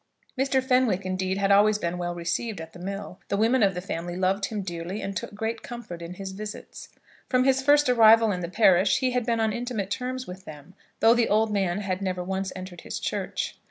Mr. Fenwick, indeed, had always been well received at the mill. The women of the family loved him dearly, and took great comfort in his visits. From his first arrival in the parish he had been on intimate terms with them, though the old man had never once entered his church.